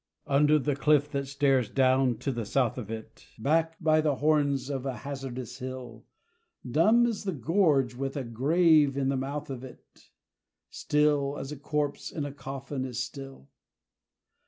Under the cliff that stares down to the south of it Back by the horns of a hazardous hill, Dumb is the gorge with a grave in the mouth of it Still, as a corpse in a coffin is still.